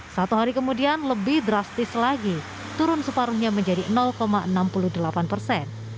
satu hari kemudian lebih drastis lagi turun separuhnya menjadi enam puluh delapan persen